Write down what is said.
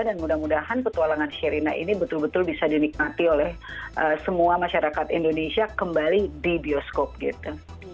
dan mudah mudahan petualangan sherina ini betul betul bisa dinikmati oleh semua masyarakat indonesia kembali di bioskop gitu